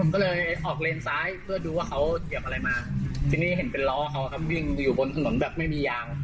ก็เลยถ่ายคลิปไว้